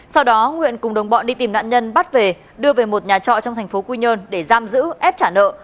sau đó nguyện cùng đồng bọn đi tìm nạn nhân bắt về đưa về một nhà trọ trong thành phố quy nhơn để giam giữ ép trả nợ